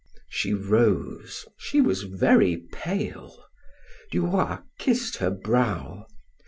She rose, she was very pale. Duroy kissed her brow.